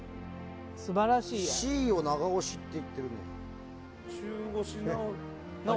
Ｃを長押しって言ってるな。